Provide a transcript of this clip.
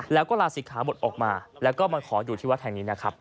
แล้วก็ลาศิกขาบทออกมาแล้วก็มาขออยู่ที่วัดแห่งนี้นะครับ